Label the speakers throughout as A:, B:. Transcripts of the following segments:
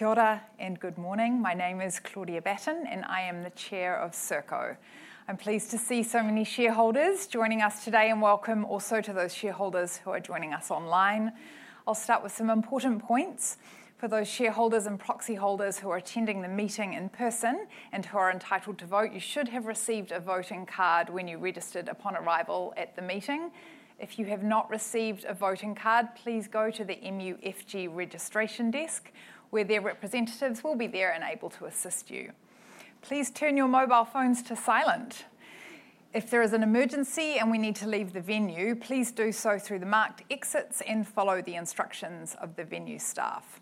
A: And good morning. My name is Claudia Batten, and I am the Chair of Serko. I'm pleased to see so many shareholders joining us today, and welcome also to those shareholders who are joining us online. I'll start with some important points for those shareholders and proxy holders who are attending the meeting in person and who are entitled to vote. You should have received a voting card when you registered upon arrival at the meeting. If you have not received a voting card, please go to the MUFG registration desk, where their representatives will be there and able to assist you. Please turn your mobile phones to silent. If there is an emergency and we need to leave the venue, please do so through the marked exits and follow the instructions of the venue staff.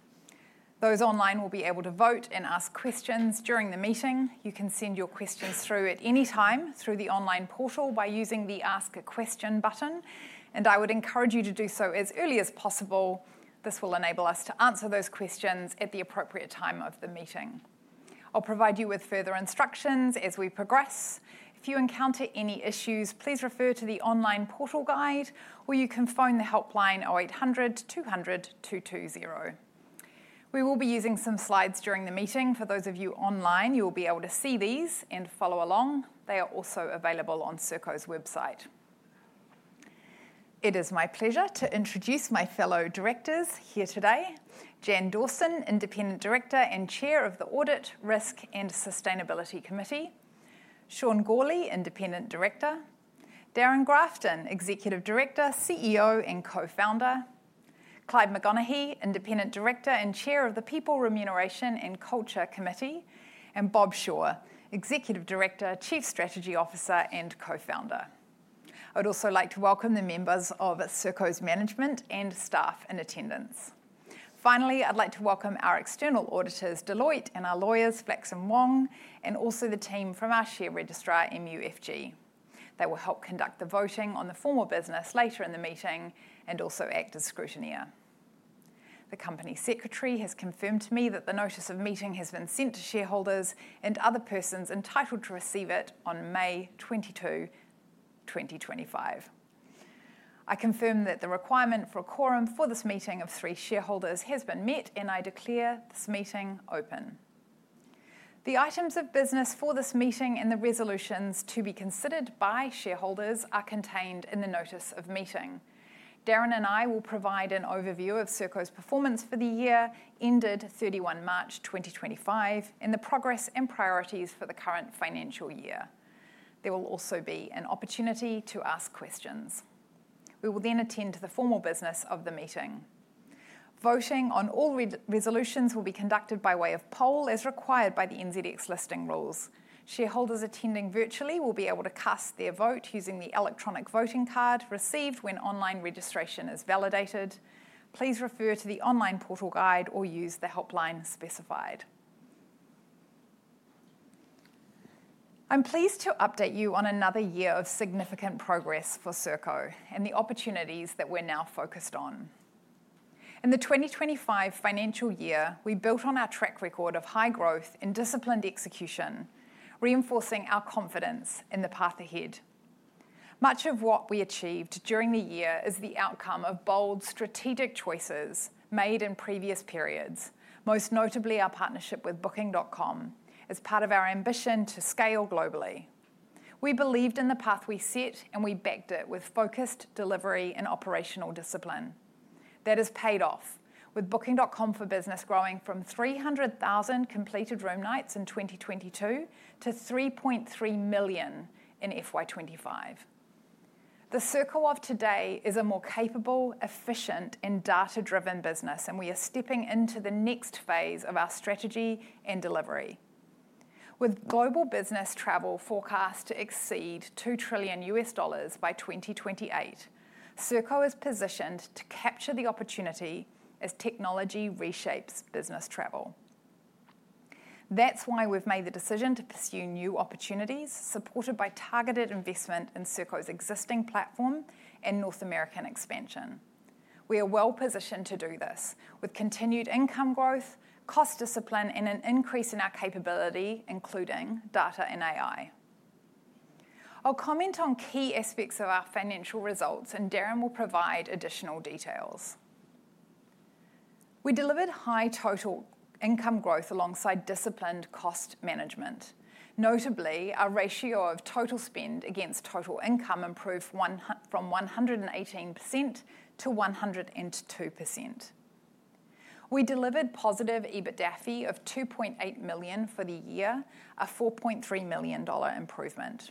A: Those online will be able to vote and ask questions during the meeting. You can send your questions through at any time through the online portal by using the Ask a Question button, and I would encourage you to do so as early as possible. This will enable us to answer those questions at the appropriate time of the meeting. I'll provide you with further instructions as we progress. If you encounter any issues, please refer to the online portal guide, or you can phone the helpline 0800 200 220. We will be using some slides during the meeting. For those of you online, you will be able to see these and follow along. They are also available on Serko's website. It is my pleasure to introduce my fellow directors here today: Jan Dawson, Independent Director and Chair of the Audit, Risk and Sustainability Committee; Sean Gourley, Independent Director; Darrin Grafton, Executive Director, CEO and Co-founder; Clyde McConaghy, Independent Director and Chair of the People, Remuneration and Culture Committee; and Bob Shaw, Executive Director, Chief Strategy Officer and Co-founder. I would also like to welcome the members of Serko's management and staff in attendance. Finally, I'd like to welcome our external auditors, Deloitte, and our lawyers, Bell Gully, and also the team from our share registrar, MUFG. They will help conduct the voting on the formal business later in the meeting and also act as scrutineer. The Company Secretary has confirmed to me that the notice of meeting has been sent to shareholders and other persons entitled to receive it on May 22, 2025. I confirm that the requirement for a quorum for this meeting of three shareholders has been met, and I declare this meeting open. The items of business for this meeting and the resolutions to be considered by shareholders are contained in the notice of meeting. Darrin and I will provide an overview of Serko's performance for the year ended 31 March 2025 and the progress and priorities for the current financial year. There will also be an opportunity to ask questions. We will then attend to the formal business of the meeting. Voting on all resolutions will be conducted by way of poll, as required by the NZX listing rules. Shareholders attending virtually will be able to cast their vote using the electronic voting card received when online registration is validated. Please refer to the online portal guide or use the helpline specified. I'm pleased to update you on another year of significant progress for Serko and the opportunities that we're now focused on. In the 2025 financial year, we built on our track record of high growth and disciplined execution, reinforcing our confidence in the path ahead. Much of what we achieved during the year is the outcome of bold strategic choices made in previous periods, most notably our partnership with Booking.com as part of our ambition to scale globally. We believed in the path we set, and we backed it with focused delivery and operational discipline. That has paid off, with Booking.com for Business growing from 300,000 completed room nights in 2022 to 3.3 million in 2025. The Serko of today is a more capable, efficient, and data-driven business, and we are stepping into the next phase of our strategy and delivery. With global business travel forecast to exceed $2 trillion by 2028, Serko is positioned to capture the opportunity as technology reshapes business travel. That's why we've made the decision to pursue new opportunities supported by targeted investment in Serko's existing platform and North American expansion. We are well positioned to do this with continued income growth, cost discipline, and an increase in our capability, including data and AI. I'll comment on key aspects of our financial results, and Darrin will provide additional details. We delivered high total income growth alongside disciplined cost management. Notably, our ratio of total spend against total income improved from 118% to 102%. We delivered positive EBITDA of 2.8 million for the year, a 4.3 million dollar improvement.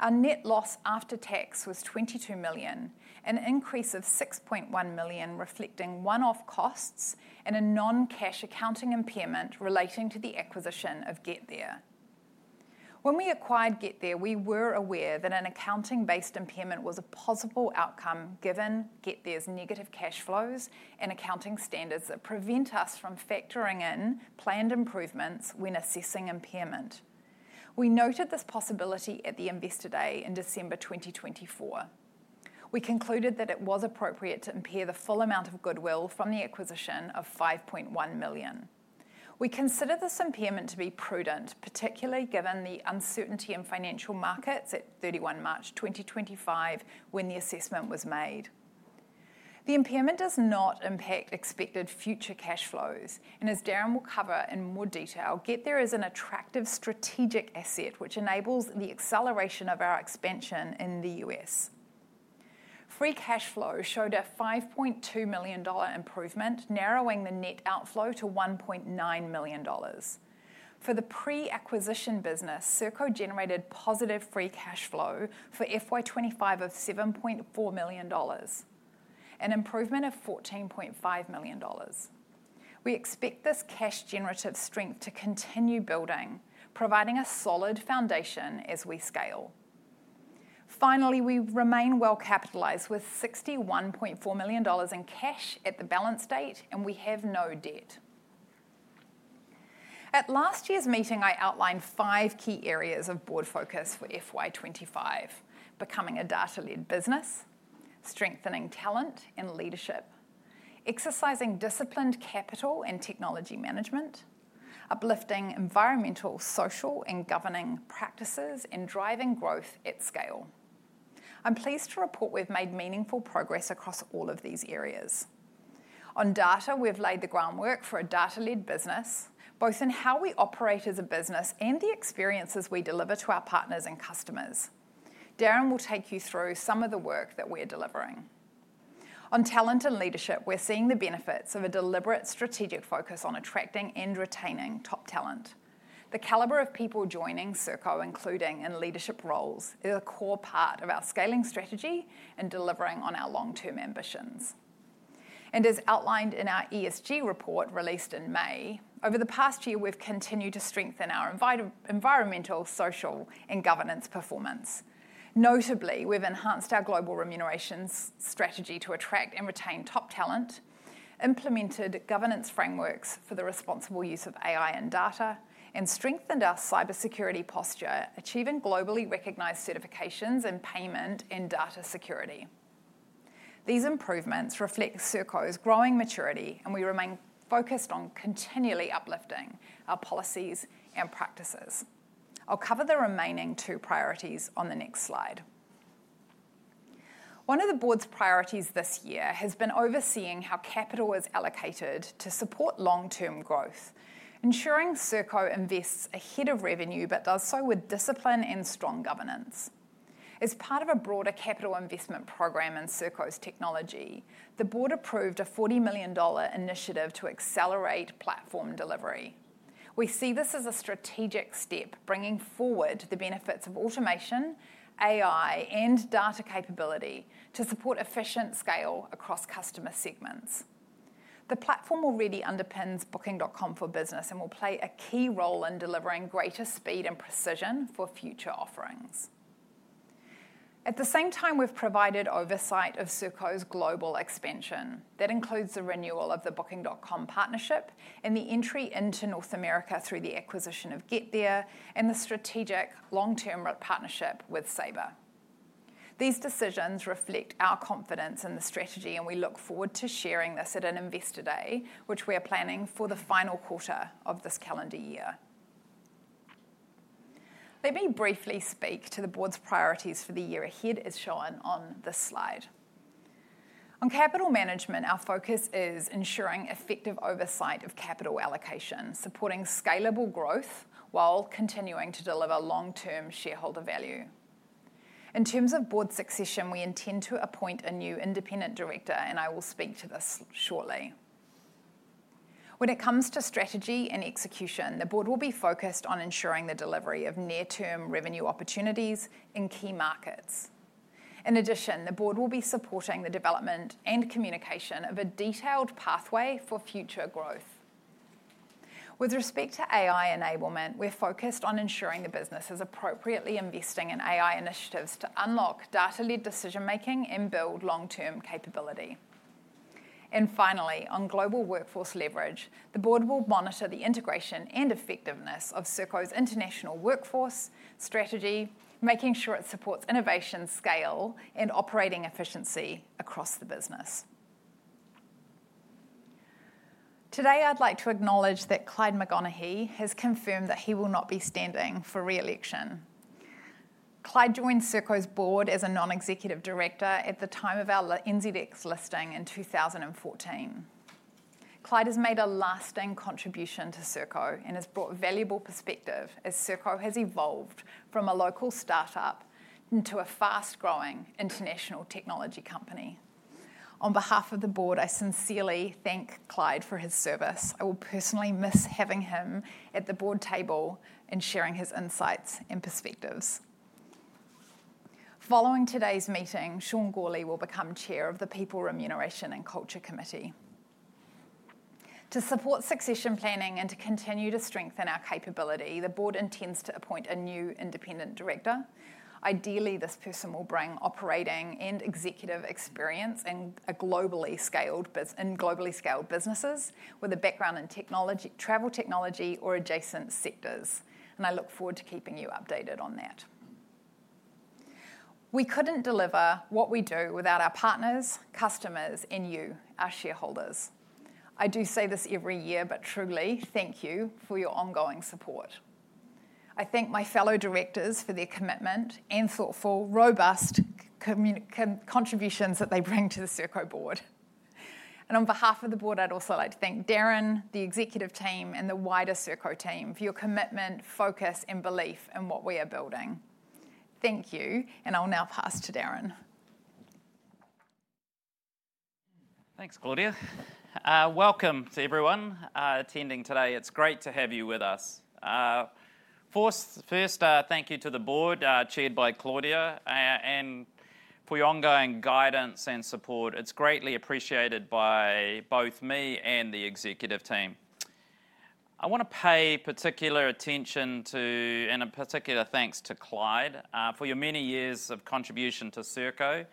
A: Our net loss after tax was 22 million, an increase of 6.1 million reflecting one-off costs and a non-cash accounting impairment relating to the acquisition of GetThere. When we acquired GetThere, we were aware that an accounting-based impairment was a possible outcome given GetThere's negative cash flows and accounting standards that prevent us from factoring in planned improvements when assessing impairment. We noted this possibility at the Investor Day in December 2024. We concluded that it was appropriate to impair the full amount of goodwill from the acquisition of 5.1 million. We consider this impairment to be prudent, particularly given the uncertainty in financial markets at 31 March 2025 when the assessment was made. The impairment does not impact expected future cash flows, and as Darrin will cover in more detail, GetThere is an attractive strategic asset which enables the acceleration of our expansion in the U.S. Free cash flow showed a 5.2 million dollar improvement, narrowing the net outflow to 1.9 million dollars. For the pre-acquisition business, Serko generated positive free cash flow for FY 2025 of 7.4 million dollars, an improvement of 14.5 million dollars. We expect this cash-generative strength to continue building, providing a solid foundation as we scale. Finally, we remain well capitalized with 61.4 million dollars in cash at the balance date, and we have no debt. At last year's meeting, I outlined five key areas of board focus for FY 2025: becoming a data-led business, strengthening talent and leadership, exercising disciplined capital and technology management, uplifting environmental, social, and governing practices, and driving growth at scale. I'm pleased to report we've made meaningful progress across all of these areas. On data, we've laid the groundwork for a data-led business, both in how we operate as a business and the experiences we deliver to our partners and customers. Darrin will take you through some of the work that we're delivering. On talent and leadership, we're seeing the benefits of a deliberate strategic focus on attracting and retaining top talent. The calibre of people joining Serko, including in leadership roles, is a core part of our scaling strategy and delivering on our long-term ambitions. As outlined in our ESG report released in May, over the past year, we've continued to strengthen our environmental, social, and governance performance. Notably, we've enhanced our global remuneration strategy to attract and retain top talent, implemented governance frameworks for the responsible use of AI and data, and strengthened our cybersecurity posture, achieving globally recognized certifications in payment and data security. These improvements reflect Serko's growing maturity, and we remain focused on continually uplifting our policies and practices. I'll cover the remaining two priorities on the next slide. One of the board's priorities this year has been overseeing how capital is allocated to support long-term growth, ensuring Serko invests ahead of revenue but does so with discipline and strong governance. As part of a broader capital investment program in Serko's technology, the board approved 40 million dollar initiative to accelerate platform delivery. We see this as a strategic step, bringing forward the benefits of automation, AI, and data capability to support efficient scale across customer segments. The platform already underpins Booking.com for Business and will play a key role in delivering greater speed and precision for future offerings. At the same time, we've provided oversight of Serko's global expansion. That includes the renewal of the Booking.com partnership and the entry into North America through the acquisition of GetThere and the strategic long-term partnership with Sabre. These decisions reflect our confidence in the strategy, and we look forward to sharing this at an Investor Day, which we are planning for the final quarter of this calendar year. Let me briefly speak to the board's priorities for the year ahead as shown on this slide. On capital management, our focus is ensuring effective oversight of capital allocation, supporting scalable growth while continuing to deliver long-term shareholder value. In terms of board succession, we intend to appoint a new independent director, and I will speak to this shortly. When it comes to strategy and execution, the board will be focused on ensuring the delivery of near-term revenue opportunities in key markets. In addition, the board will be supporting the development and communication of a detailed pathway for future growth. With respect to AI enablement, we're focused on ensuring the business is appropriately investing in AI initiatives to unlock data-led decision-making and build long-term capability. Finally, on global workforce leverage, the board will monitor the integration and effectiveness of Serko's international workforce strategy, making sure it supports innovation, scale, and operating efficiency across the business. Today, I'd like to acknowledge that Clyde McConaghy has confirmed that he will not be standing for re-election. Clyde joined Serko's board as a non-executive director at the time of our NZX listing in 2014. Clyde has made a lasting contribution to Serko and has brought valuable perspective as Serko has evolved from a local startup into a fast-growing international technology company. On behalf of the board, I sincerely thank Clyde for his service. I will personally miss having him at the board table and sharing his insights and perspectives. Following today's meeting, Sean Gourley will become Chair of the People, Remuneration and Culture Committee. To support succession planning and to continue to strengthen our capability, the board intends to appoint a new independent director. Ideally, this person will bring operating and executive experience in globally scaled businesses with a background in travel technology or adjacent sectors. I look forward to keeping you updated on that. We could not deliver what we do without our partners, customers, and you, our shareholders. I do say this every year, but truly, thank you for your ongoing support. I thank my fellow directors for their commitment and thoughtful, robust contributions that they bring to the Serko board. On behalf of the board, I would also like to thank Darrin, the executive team, and the wider Serko team for your commitment, focus, and belief in what we are building. Thank you, and I'll now pass to Darrin.
B: Thanks, Claudia. Welcome to everyone attending today. It's great to have you with us. First, thank you to the board chaired by Claudia and for your ongoing guidance and support. It's greatly appreciated by both me and the executive team. I want to pay particular attention to and a particular thanks to Clyde for your many years of contribution to Serko.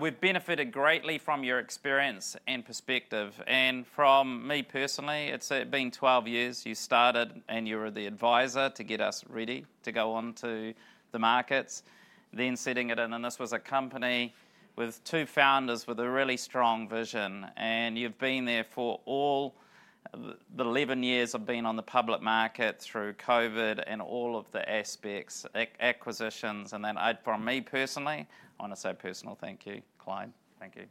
B: We've benefited greatly from your experience and perspective. From me personally, it's been 12 years. You started and you were the advisor to get us ready to go on to the markets, then setting it in. This was a company with two founders with a really strong vision. You've been there for all the 11 years I've been on the public market through COVID and all of the aspects, acquisitions. For me personally, I want to say personal thank you, Clyde. Thank you.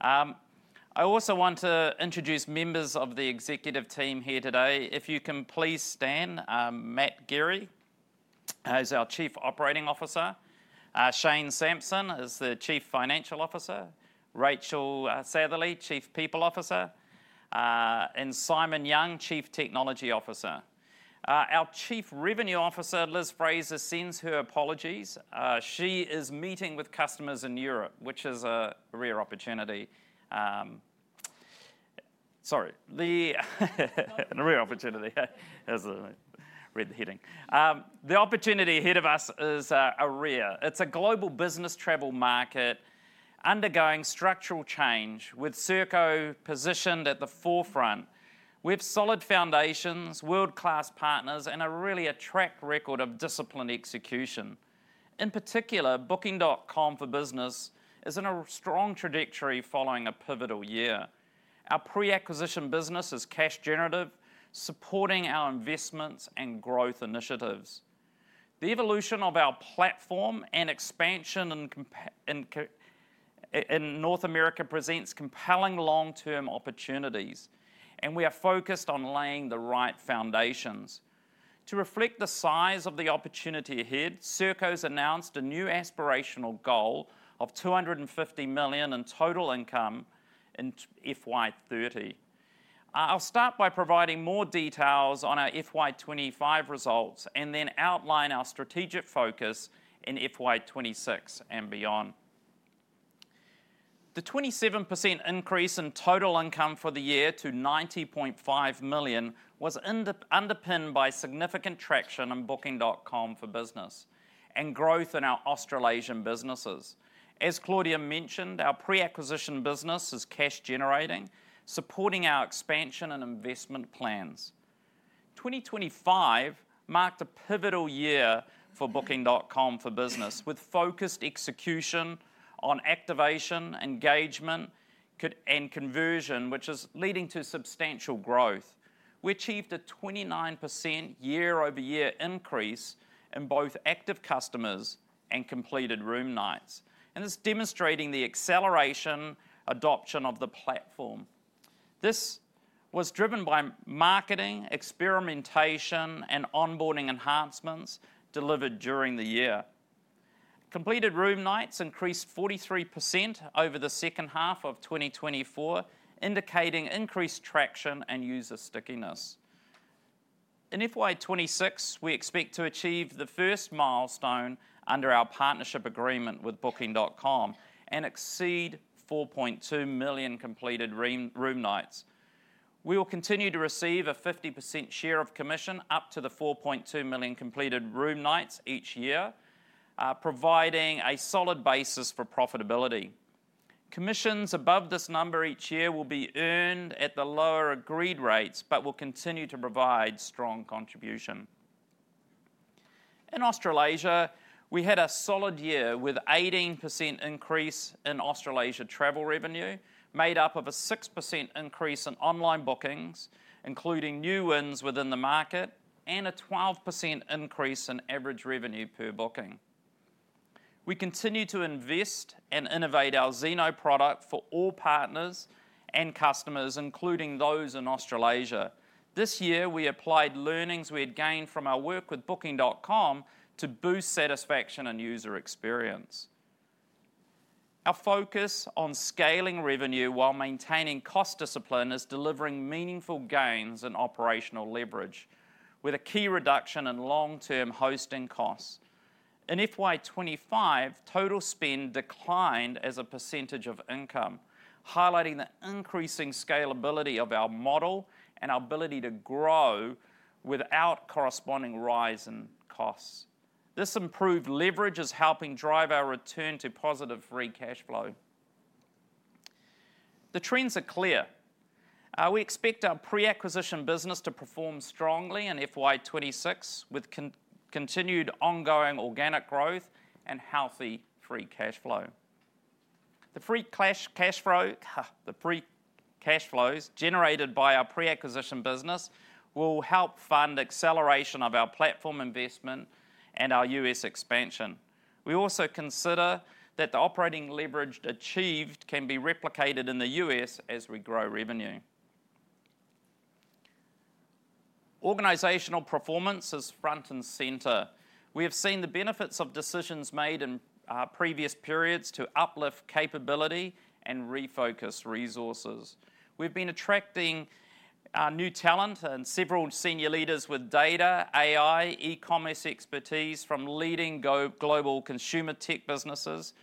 B: I also want to introduce members of the executive team here today. If you can please stand. Matt Geary is our Chief Operating Officer. Shane Sampson is the Chief Financial Officer. Rachael Satherley, Chief People Officer. And Simon Young, Chief Technology Officer. Our Chief Revenue Officer, Liz Fraser, sends her apologies. She is meeting with customers in Europe, which is a rare opportunity. Sorry. The rare opportunity. Read the heading. The opportunity ahead of us is a rare. It is a global business travel market undergoing structural change with Serko positioned at the forefront. We have solid foundations, world-class partners, and a really track record of disciplined execution. In particular, Booking.com for Business is in a strong trajectory following a pivotal year. Our pre-acquisition business is cash-generative, supporting our investments and growth initiatives. The evolution of our platform and expansion in North America presents compelling long-term opportunities, and we are focused on laying the right foundations. To reflect the size of the opportunity ahead, Serko has announced a new aspirational goal of 250 million in total income in fiscal year 2030. I'll start by providing more details on our fiscal year 2025 results and then outline our strategic focus in FY 2026 and beyond. The 27% increase in total income for the year to 90.5 million was underpinned by significant traction on Booking.com for Business and growth in our Australasian businesses. As Claudia mentioned, our pre-acquisition business is cash-generating, supporting our expansion and investment plans. Fiscal year 2025 marked a pivotal year for Booking.com for Business with focused execution on activation, engagement, and conversion, which is leading to substantial growth. We achieved a 29% year-over-year increase in both active customers and completed room nights. This demonstrated the acceleration adoption of the platform. This was driven by marketing, experimentation, and onboarding enhancements delivered during the year. Completed room nights increased 43% over the second half of 2024, indicating increased traction and user stickiness. In FY 2026, we expect to achieve the first milestone under our partnership agreement with Booking.com and exceed 4.2 million completed room nights. We will continue to receive a 50% share of commission up to the 4.2 million completed room nights each year, providing a solid basis for profitability. Commissions above this number each year will be earned at the lower agreed rates but will continue to provide strong contribution. In Australasia, we had a solid year with an 18% increase in Australasia travel revenue made up of a 6% increase in online bookings, including new wins within the market, and a 12% increase in average revenue per booking. We continue to invest and innovate our Zeno product for all partners and customers, including those in Australasia. This year, we applied learnings we had gained from our work with Booking.com to boost satisfaction and user experience. Our focus on scaling revenue while maintaining cost discipline is delivering meaningful gains in operational leverage with a key reduction in long-term hosting costs. In FY 2025, total spend declined as a percentage of income, highlighting the increasing scalability of our model and our ability to grow without corresponding rise in costs. This improved leverage is helping drive our return to positive free cash flow. The trends are clear. We expect our pre-acquisition business to perform strongly in FY 2026 with continued ongoing organic growth and healthy free cash flow. The free cash flows generated by our pre-acquisition business will help fund acceleration of our platform investment and our U.S. expansion. We also consider that the operating leverage achieved can be replicated in the U.S. as we grow revenue. Organizational performance is front and center. We have seen the benefits of decisions made in previous periods to uplift capability and refocus resources. We've been attracting new talent and several senior leaders with data, AI, e-commerce expertise from leading global consumer tech businesses.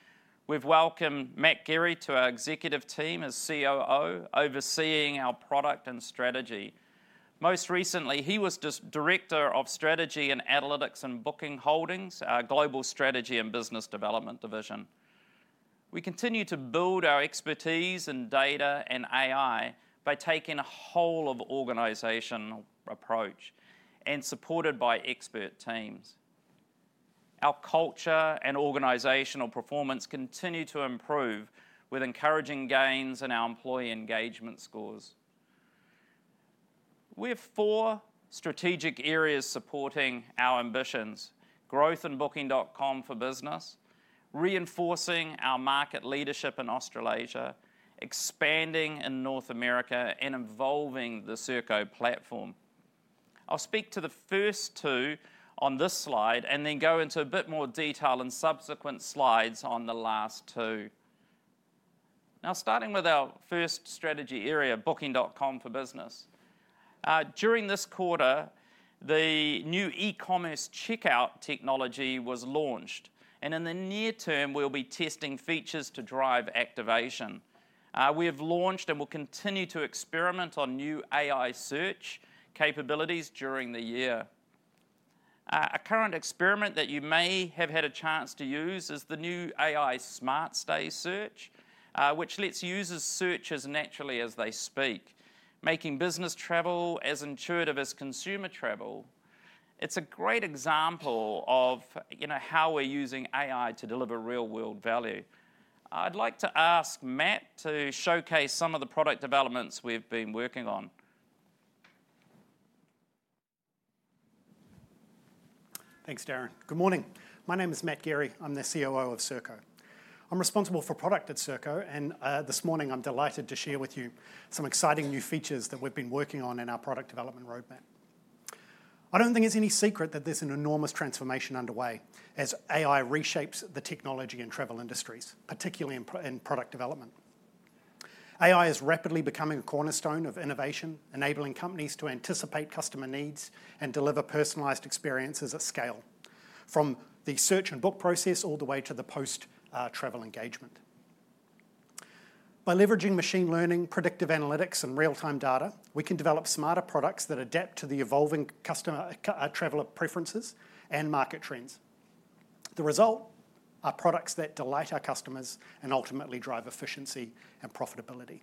B: We've welcomed Matt Geary to our executive team as COO, overseeing our product and strategy. Most recently, he was Director of Strategy and Analytics in Booking Holdings, our global strategy and business development division. We continue to build our expertise in data and AI by taking a whole-of-organization approach and supported by expert teams. Our culture and organizational performance continue to improve with encouraging gains in our employee engagement scores. We have four strategic areas supporting our ambitions: growth in Booking.com for Business, reinforcing our market leadership in Australasia, expanding in North America, and evolving the Serko platform. I'll speak to the first two on this slide and then go into a bit more detail in subsequent slides on the last two. Now, starting with our first strategy area, Booking.com for Business. During this quarter, the new e-commerce checkout technology was launched. In the near term, we'll be testing features to drive activation. We have launched and will continue to experiment on new AI search capabilities during the year. A current experiment that you may have had a chance to use is the new AI Smart Stay search, which lets users search as naturally as they speak, making business travel as intuitive as consumer travel. It's a great example of how we're using AI to deliver real-world value. I'd like to ask Matt to showcase some of the product developments we've been working on.
C: Thanks, Darrin. Good morning. My name is Matt Geary. I'm the COO of Serko. I'm responsible for product at Serko, and this morning, I'm delighted to share with you some exciting new features that we've been working on in our product development roadmap. I don't think it's any secret that there's an enormous transformation underway as AI reshapes the technology and travel industries, particularly in product development. AI is rapidly becoming a cornerstone of innovation, enabling companies to anticipate customer needs and deliver personalized experiences at scale, from the search and book process all the way to the post-travel engagement. By leveraging machine learning, predictive analytics, and real-time data, we can develop smarter products that adapt to the evolving customer traveler preferences and market trends. The result are products that delight our customers and ultimately drive efficiency and profitability.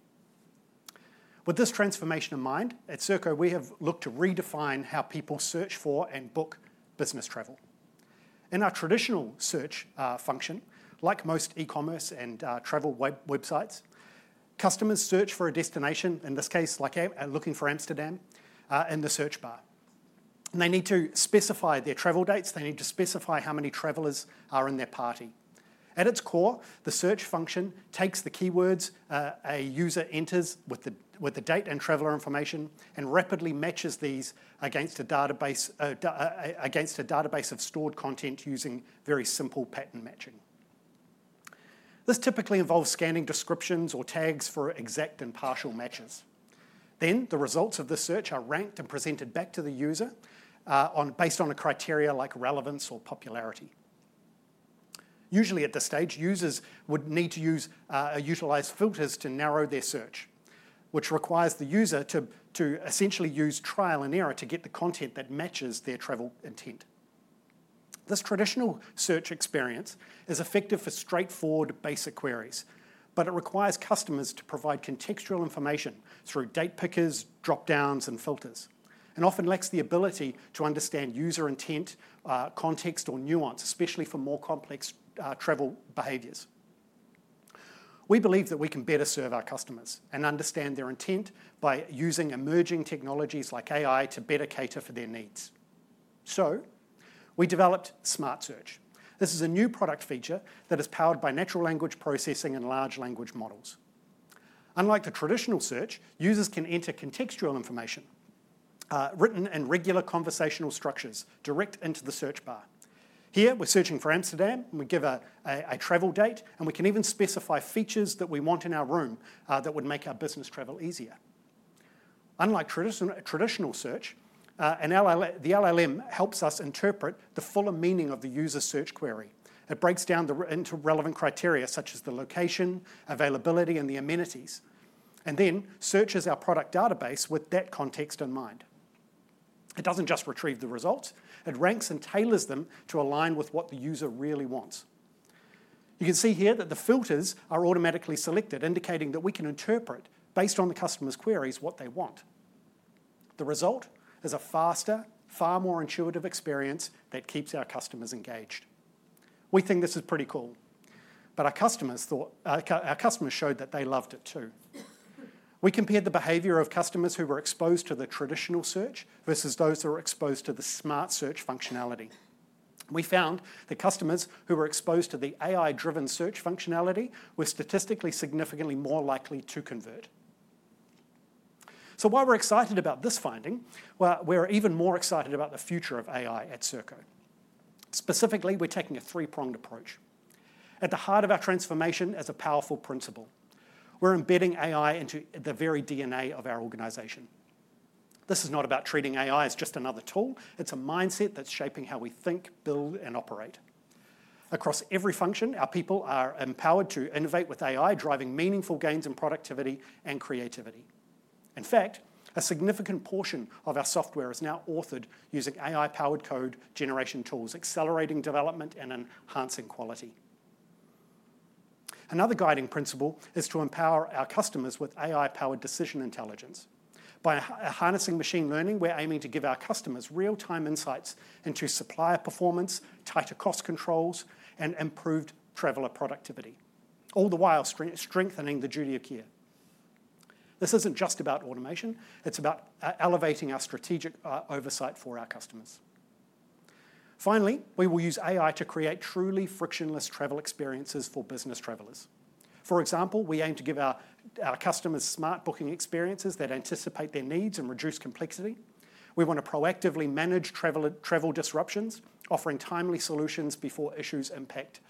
C: With this transformation in mind, at Serko, we have looked to redefine how people search for and book business travel. In our traditional search function, like most e-commerce and travel websites, customers search for a destination, in this case, like looking for Amsterdam, in the search bar. They need to specify their travel dates. They need to specify how many travelers are in their party. At its core, the search function takes the keywords a user enters with the date and traveler information and rapidly matches these against a database of stored content using very simple pattern matching. This typically involves scanning descriptions or tags for exact and partial matches. The results of the search are ranked and presented back to the user based on a criteria like relevance or popularity. Usually, at this stage, users would need to utilize filters to narrow their search, which requires the user to essentially use trial and error to get the content that matches their travel intent. This traditional search experience is effective for straightforward, basic queries, but it requires customers to provide contextual information through date pickers, dropdowns, and filters, and often lacks the ability to understand user intent, context, or nuance, especially for more complex travel behaviors. We believe that we can better serve our customers and understand their intent by using emerging technologies like AI to better cater for their needs. We developed Smart Search. This is a new product feature that is powered by natural language processing and large language models. Unlike the traditional search, users can enter contextual information, written and regular conversational structures direct into the search bar. Here, we're searching for Amsterdam. We give a travel date, and we can even specify features that we want in our room that would make our business travel easier. Unlike traditional search, the LLM helps us interpret the fuller meaning of the user search query. It breaks down into relevant criteria such as the location, availability, and the amenities, and then searches our product database with that context in mind. It does not just retrieve the results. It ranks and tailors them to align with what the user really wants. You can see here that the filters are automatically selected, indicating that we can interpret, based on the customer's queries, what they want. The result is a faster, far more intuitive experience that keeps our customers engaged. We think this is pretty cool, but our customers showed that they loved it too. We compared the behavior of customers who were exposed to the traditional search versus those who were exposed to the Smart Search functionality. We found that customers who were exposed to the AI-driven search functionality were statistically significantly more likely to convert. While we're excited about this finding, we're even more excited about the future of AI at Serko. Specifically, we're taking a three-pronged approach. At the heart of our transformation is a powerful principle. We're embedding AI into the very DNA of our organization. This is not about treating AI as just another tool. It's a mindset that's shaping how we think, build, and operate. Across every function, our people are empowered to innovate with AI, driving meaningful gains in productivity and creativity. In fact, a significant portion of our software is now authored using AI-powered code generation tools, accelerating development and enhancing quality. Another guiding principle is to empower our customers with AI-powered decision intelligence. By harnessing machine learning, we're aiming to give our customers real-time insights into supplier performance, tighter cost controls, and improved traveler productivity, all the while strengthening the duty of care. This isn't just about automation. It's about elevating our strategic oversight for our customers. Finally, we will use AI to create truly frictionless travel experiences for business travelers. For example, we aim to give our customers smart booking experiences that anticipate their needs and reduce complexity. We want to proactively manage travel disruptions, offering timely solutions before issues impact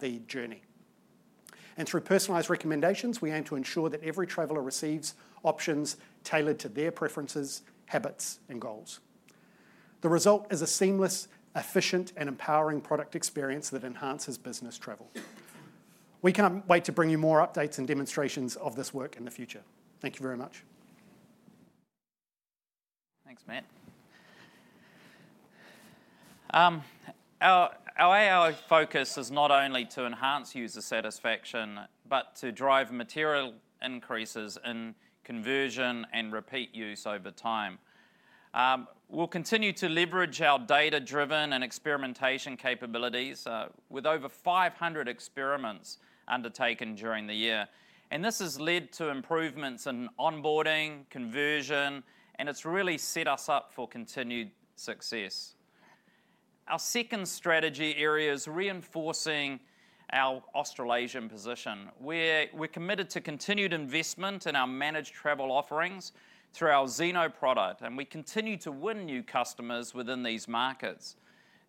C: the journey. Through personalized recommendations, we aim to ensure that every traveler receives options tailored to their preferences, habits, and goals. The result is a seamless, efficient, and empowering product experience that enhances business travel. We can't wait to bring you more updates and demonstrations of this work in the future. Thank you very much.
B: Thanks, Matt. Our AI focus is not only to enhance user satisfaction but to drive material increases in conversion and repeat use over time. We'll continue to leverage our data-driven and experimentation capabilities with over 500 experiments undertaken during the year. This has led to improvements in onboarding, conversion, and it's really set us up for continued success. Our second strategy area is reinforcing our Australasian position. We're committed to continued investment in our managed travel offerings through our Zeno product and we continue to win new customers within these markets.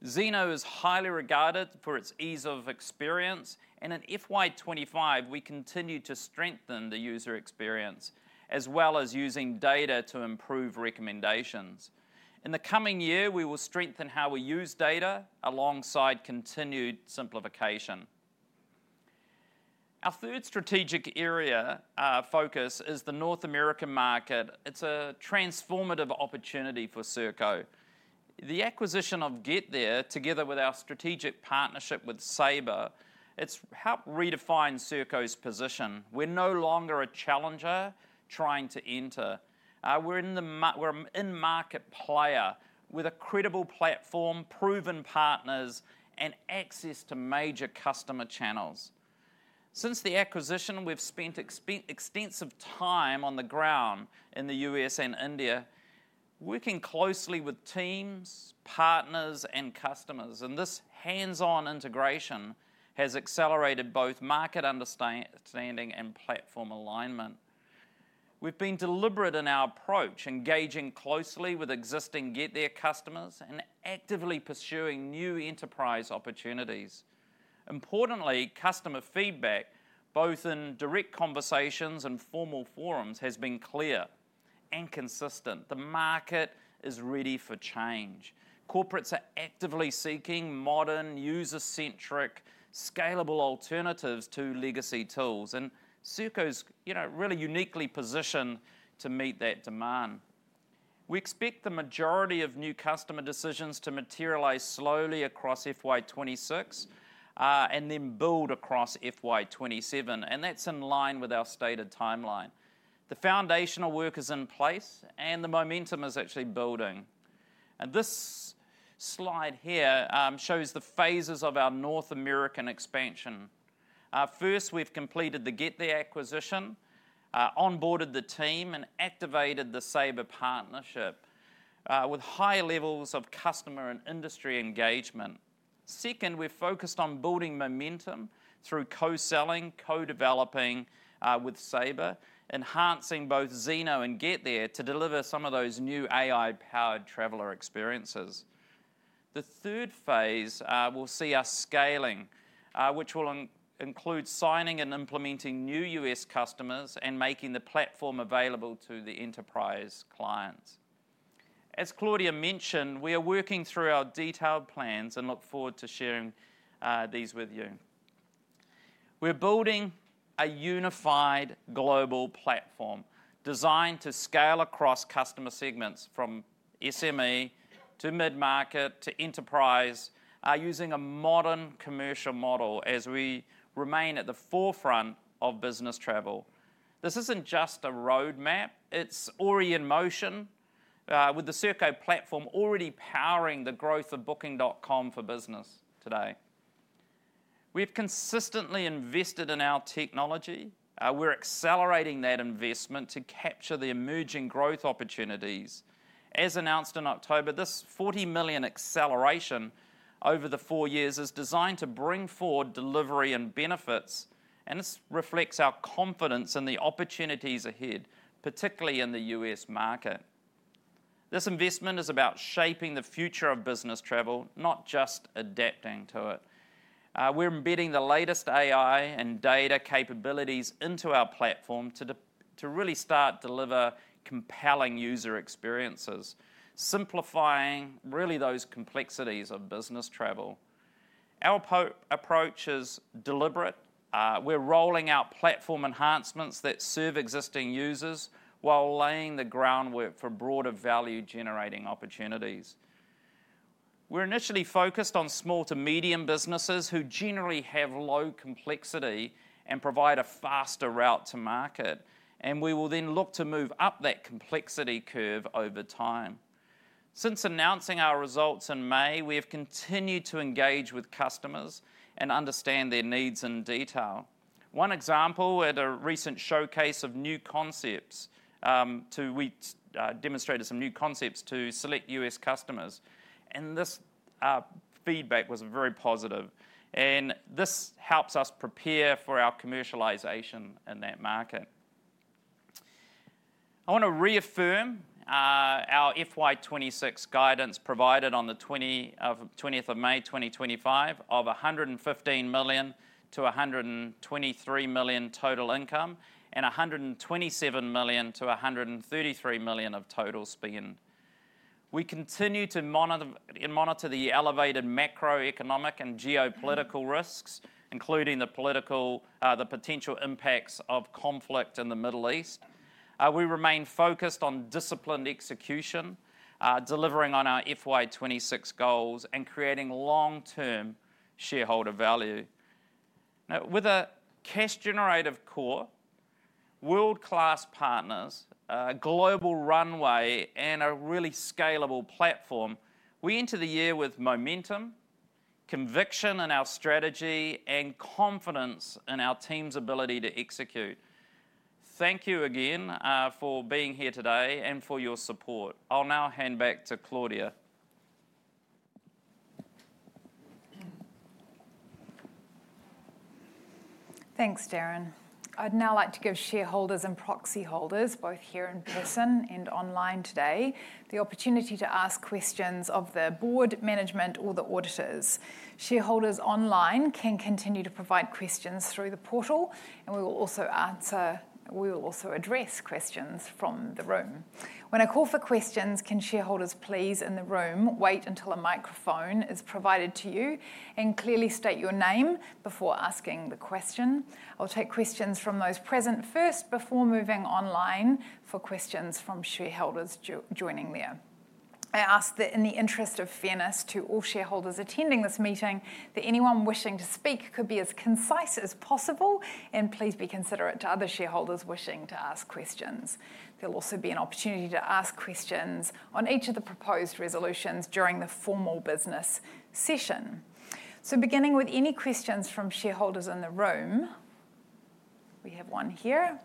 B: Zeno is highly regarded for its ease of experience. In FY 2025, we continue to strengthen the user experience as well as using data to improve recommendations. In the coming year, we will strengthen how we use data alongside continued simplification. Our third strategic area focus is the North American market. It is a transformative opportunity for Serko. The acquisition of GetThere, together with our strategic partnership with Sabre, has helped redefine Serko's position. We are no longer a challenger trying to enter. We are an in-market player with a credible platform, proven partners, and access to major customer channels. Since the acquisition, we have spent extensive time on the ground in the U.S. and India, working closely with teams, partners, and customers. This hands-on integration has accelerated both market understanding and platform alignment. We have been deliberate in our approach, engaging closely with existing GetThere customers and actively pursuing new enterprise opportunities. Importantly, customer feedback, both in direct conversations and formal forums, has been clear and consistent. The market is ready for change. Corporates are actively seeking modern, user-centric, scalable alternatives to legacy tools, and Serko is really uniquely positioned to meet that demand. We expect the majority of new customer decisions to materialize slowly across FY 2026 and then build across FY 2027. That is in line with our stated timeline. The foundational work is in place, and the momentum is actually building. This slide here shows the phases of our North American expansion. First, we have completed the GetThere acquisition, onboarded the team, and activated the Sabre partnership with high levels of customer and industry engagement. Second, we have focused on building momentum through co-selling, co-developing with Sabre, enhancing both Zeno and GetThere to deliver some of those new AI-powered traveler experiences. The third phase will see us scaling, which will include signing and implementing new U.S. customers and making the platform available to the enterprise clients. As Claudia mentioned, we are working through our detailed plans and look forward to sharing these with you. We're building a unified global platform designed to scale across customer segments from SME to mid-market to enterprise using a modern commercial model as we remain at the forefront of business travel. This isn't just a roadmap. It's already in motion with the Serko platform already powering the growth of Booking.com for Business today. We've consistently invested in our technology. We're accelerating that investment to capture the emerging growth opportunities. As announced in October, this 40 million acceleration over the four years is designed to bring forward delivery and benefits, and this reflects our confidence in the opportunities ahead, particularly in the U.S. market. This investment is about shaping the future of business travel, not just adapting to it. We're embedding the latest AI and data capabilities into our platform to really start to deliver compelling user experiences, simplifying really those complexities of business travel. Our approach is deliberate. We're rolling out platform enhancements that serve existing users while laying the groundwork for broader value-generating opportunities. We're initially focused on small to medium businesses who generally have low complexity and provide a faster route to market, and we will then look to move up that complexity curve over time. Since announcing our results in May, we have continued to engage with customers and understand their needs in detail. One example at a recent showcase of new concepts, we demonstrated some new concepts to select U.S. customers. This feedback was very positive. This helps us prepare for our commercialization in that market. I want to reaffirm our FY 2026 guidance provided on the 20th of May 2025 of 115 million-123 million total income and 127 million-133 million of total spend. We continue to monitor the elevated macroeconomic and geopolitical risks, including the potential impacts of conflict in the Middle East. We remain focused on disciplined execution, delivering on our FY 2026 goals and creating long-term shareholder value. Now, with a cash-generative core, world-class partners, a global runway, and a really scalable platform, we enter the year with momentum, conviction in our strategy, and confidence in our team's ability to execute. Thank you again for being here today and for your support. I'll now hand back to Claudia.
A: Thanks, Darrin. I'd now like to give shareholders and proxy holders, both here in person and online today, the opportunity to ask questions of the board, management, or the auditors. Shareholders online can continue to provide questions through the portal, and we will also address questions from the room. When I call for questions, can shareholders please in the room wait until a microphone is provided to you and clearly state your name before asking the question? I'll take questions from those present first before moving online for questions from shareholders joining there. I ask that in the interest of fairness to all shareholders attending this meeting, that anyone wishing to speak could be as concise as possible and please be considerate to other shareholders wishing to ask questions. There will also be an opportunity to ask questions on each of the proposed resolutions during the formal business session. Beginning with any questions from shareholders in the room. We have one here.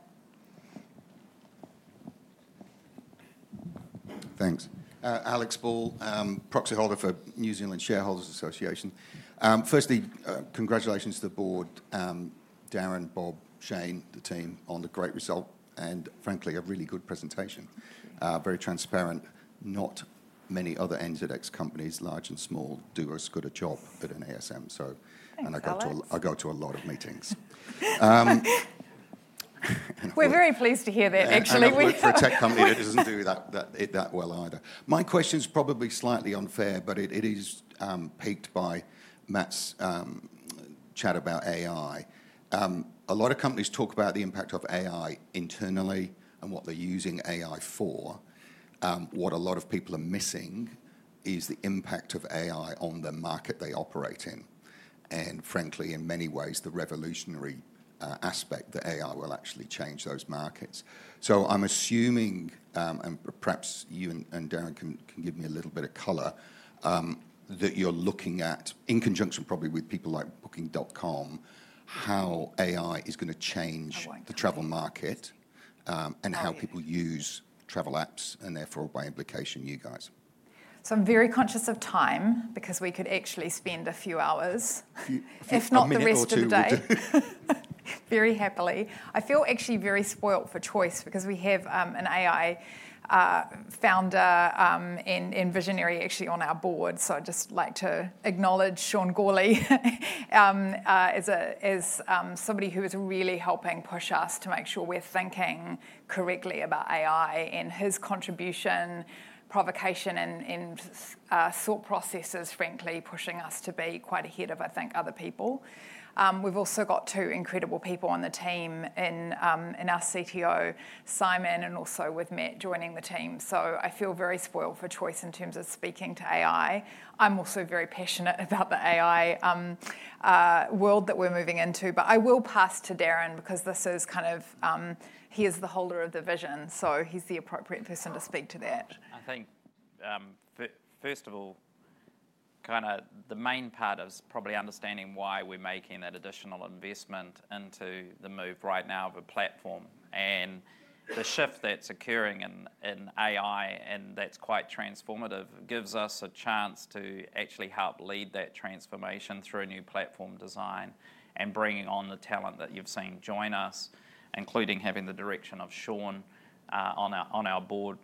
A: Thanks. Alex Ball, proxy holder for New Zealand Shareholders Association.
D: Firstly, congratulations to the board, Darrin, Bob, Shane, the team on the great result and, frankly, a really good presentation. Very transparent. Not many other NZX companies, large and small, do as good a job at an ASM. I go to a lot of meetings.
A: We're very pleased to hear that, actually.
D: We're a tech company that doesn't do that well either. My question's probably slightly unfair, but it is pegged by Matt's chat about AI. A lot of companies talk about the impact of AI internally and what they're using AI for. What a lot of people are missing is the impact of AI on the market they operate in. In many ways, the revolutionary aspect that AI will actually change those markets. I'm assuming, and perhaps you and Darrin can give me a little bit of color, that you're looking at, in conjunction probably with people like Booking.com, how AI is going to change the travel market and how people use travel apps and therefore, by implication, you guys.
A: I'm very conscious of time because we could actually spend a few hours, if not the rest of the day. Very happily. I feel actually very spoilt for choice because we have an AI founder and visionary actually on our board. I'd just like to acknowledge Sean Gourley as somebody who is really helping push us to make sure we're thinking correctly about AI and his contribution, provocation, and thought processes, frankly, pushing us to be quite ahead of, I think, other people. We've also got two incredible people on the team in our CTO, Simon, and also with Matt joining the team. I feel very spoilt for choice in terms of speaking to AI. I'm also very passionate about the AI world that we're moving into. I will pass to Darrin because this is kind of he is the holder of the vision. He's the appropriate person to speak to that.
B: I think, first of all, kind of the main part is probably understanding why we're making that additional investment into the move right now of a platform. The shift that's occurring in AI, and that's quite transformative, gives us a chance to actually help lead that transformation through a new platform design and bringing on the talent that you've seen join us, including having the direction of Sean on our board.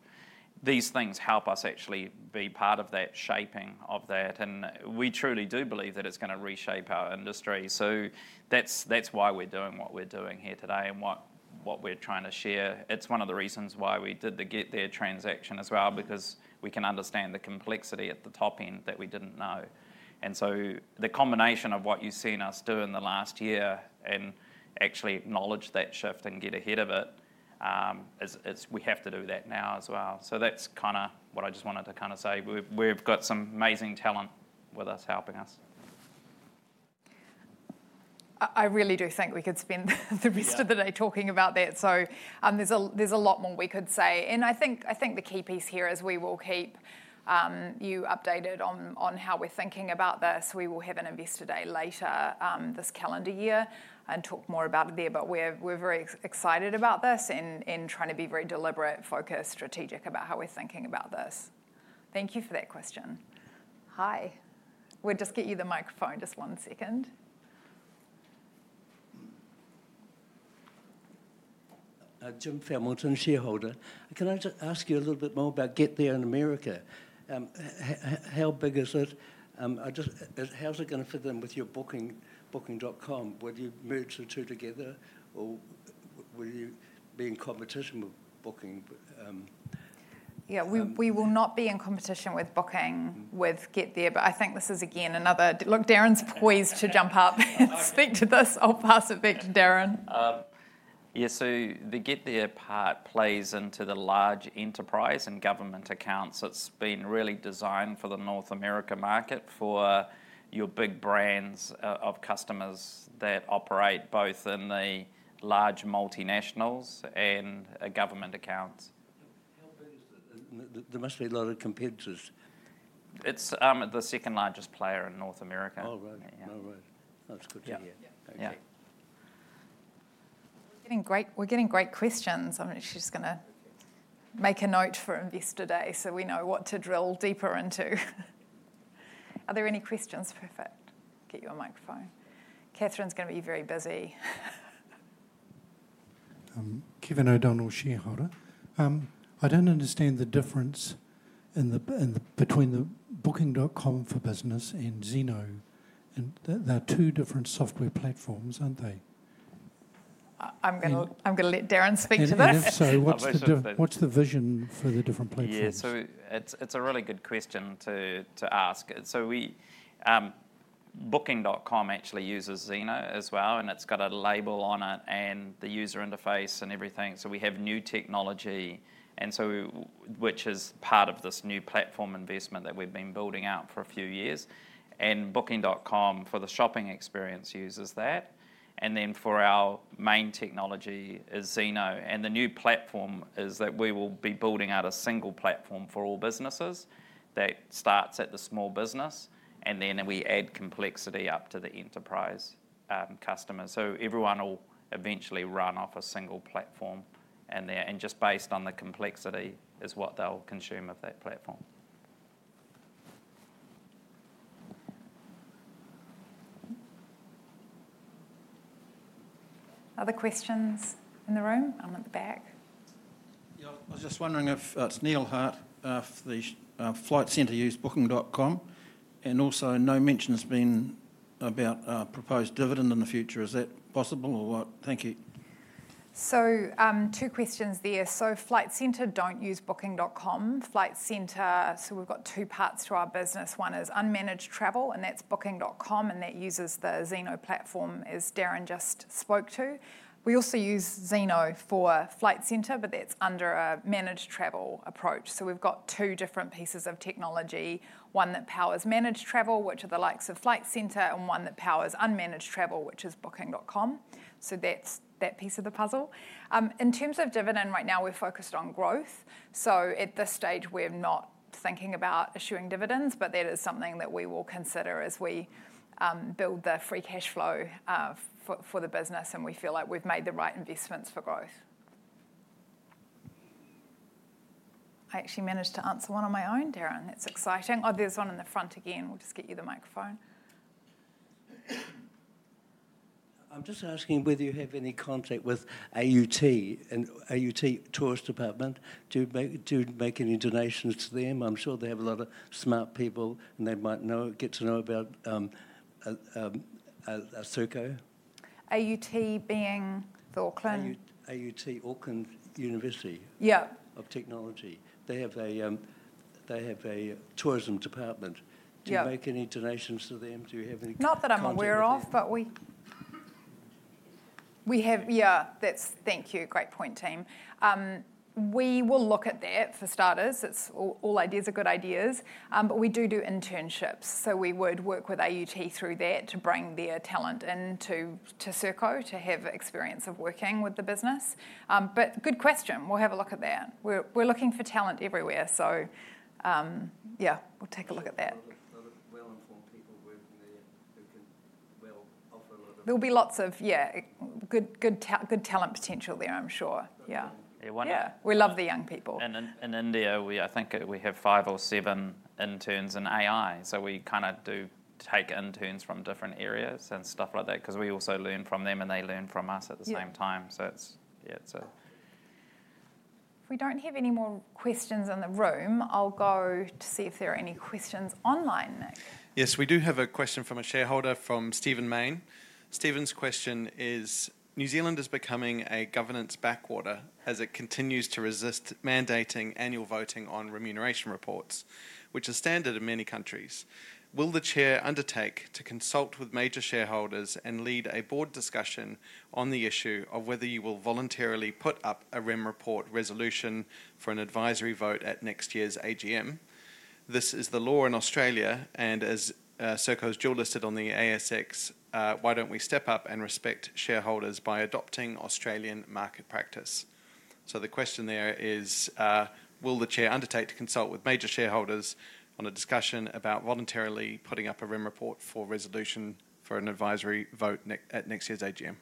B: These things help us actually be part of that shaping of that. We truly do believe that it's going to reshape our industry. That's why we're doing what we're doing here today and what we're trying to share. It's one of the reasons why we did the GetThere transaction as well, because we can understand the complexity at the top end that we didn't know. The combination of what you've seen us do in the last year and actually acknowledge that shift and get ahead of it, we have to do that now as well. That's kind of what I just wanted to kind of say. We've got some amazing talent with us helping us.
A: I really do think we could spend the rest of the day talking about that. There's a lot more we could say. I think the key piece here is we will keep you updated on how we're thinking about this. We will have an investor day later this calendar year and talk more about it there. We are very excited about this and trying to be very deliberate, focused, strategic about how we're thinking about this. Thank you for that question. Hi. We'll just get you the microphone. Just one second. Jim Fairmountain, shareholder. Can I just ask you a little bit more about GetThere in America? How big is it? How's it going to fit in with your Booking.com? Will you merge the two together or will you be in competition with Booking? We will not be in competition with Booking, with GetThere. I think this is, again, another look, Darrin's poised to jump up and speak to this. I'll pass it back to Darrin.
B: Yeah, so the GetThere part plays into the large enterprise and government accounts. It's been really designed for the North America market for your big brands of customers that operate both in the large multinationals and government accounts. How big is it? There must be a lot of competitors. It's the second largest player in North America. Oh, right. Oh, right. That's good to hear.
A: Yeah. Okay. We're getting great questions. I'm actually just going to make a note for investor day so we know what to drill deeper into. Are there any questions? Perfect. Get you a microphone. Catherine's going to be very busy.
E: Kevin O'Donnell, shareholder. I don't understand the difference between the Booking.com for Business and Zeno. And they're two different software platforms, aren't they?
A: I'm going to let Darrin speak to this.
E: And if so, what's the vision for the different platforms?
B: Yeah, so it's a really good question to ask. Booking.com actually uses Zeno as well, and it's got a label on it and the user interface and everything. We have new technology, which is part of this new platform investment that we've been building out for a few years. Booking.com for the shopping experience uses that. For our main technology, it is Zeno. The new platform is that we will be building out a single platform for all businesses that starts at the small business, and then we add complexity up to the enterprise customers. Everyone will eventually run off a single platform, and just based on the complexity is what they'll consume of that platform.
A: Other questions in the room? I'm at the back. Yeah, I was just wondering if it's Neil Hart of the Flight Centre use Booking.com. Also, no mention has been about proposed dividend in the future. Is that possible or what? Thank you. Two questions there. Flight Centre do not use Booking.com. Flight Centre, we have two parts to our business. One is unmanaged travel, and that is Booking.com, and that uses the Zeno platform, as Darrin just spoke to. We also use Zeno for Flight Centre, but that is under a managed travel approach. We have two different pieces of technology. One that powers managed travel, which are the likes of Flight Centre, and one that powers unmanaged travel, which is Booking.com. That is that piece of the puzzle. In terms of dividend, right now we are focused on growth. At this stage, we're not thinking about issuing dividends, but that is something that we will consider as we build the free cash flow for the business, and we feel like we've made the right investments for growth. I actually managed to answer one on my own, Darrin. That's exciting. Oh, there's one in the front again. We'll just get you the microphone. I'm just asking whether you have any contact with AUT, AUT Tourist Department. Do you make any donations to them? I'm sure they have a lot of smart people, and they might get to know about Serko. AUT being the Auckland? AUT Auckland University of Technology. They have a tourism department. Do you make any donations to them? Do you have any contact? Not that I'm aware of, but we, yeah, that's, thank you. Great point, team. We will look at that for starters. All ideas are good ideas. We do do internships. We would work with Auckland University of Technology through that to bring their talent into Serko, to have experience of working with the business. Good question. We'll have a look at that. We're looking for talent everywhere. We'll take a look at that. A lot of well-informed people working there who can offer a lot of—there'll be lots of, yeah, good talent potential there, I'm sure. Yeah. Yeah, we love the young people.
B: In India, I think we have five or seven interns in AI. We kind of do take interns from different areas and stuff like that because we also learn from them and they learn from us at the same time. Yeah, it's a,
A: if we don't have any more questions in the room, I'll go to see if there are any questions online.
F: Yes, we do have a question from a shareholder from Stephen Mayne. Stephen's question is, New Zealand is becoming a governance backwater as it continues to resist mandating annual voting on remuneration reports, which is standard in many countries. Will the Chair undertake to consult with major shareholders and lead a board discussion on the issue of whether you will voluntarily put up a REM report resolution for an advisory vote at next year's AGM? This is the law in Australia, and as Serko's dual listed on the ASX, why don't we step up and respect shareholders by adopting Australian market practice? The question there is, will the chair undertake to consult with major shareholders on a discussion about voluntarily putting up a REM report for resolution for an advisory vote at next year's AGM?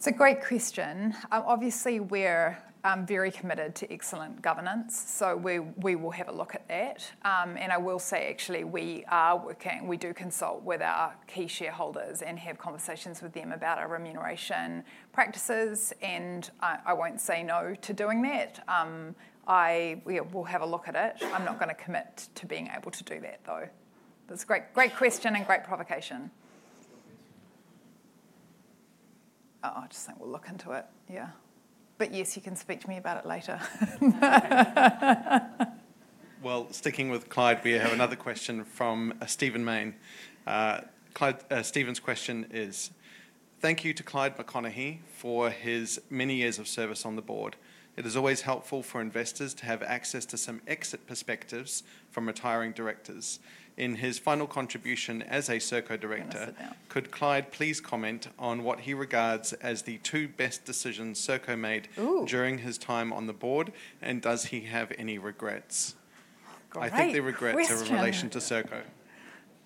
A: It's a great question. Obviously, we're very committed to excellent governance. We will have a look at that. I will say, actually, we are working, we do consult with our key shareholders and have conversations with them about our remuneration practices, and I won't say no to doing that. We'll have a look at it. I'm not going to commit to being able to do that, though. That's a great question and great provocation.
B: Oh, I just think we'll look into it.
A: Yeah. Yes, you can speak to me about it later.
F: Sticking with Clyde, we have another question from Stephen Mayne. Stephen's question is, thank you to Clyde McConaghy for his many years of service on the board. It is always helpful for investors to have access to some exit perspectives from retiring directors. In his final contribution as a Serko director, could Clyde please comment on what he regards as the two best decisions Serko made during his time on the board, and does he have any regrets? I think they regret in relation to Serko.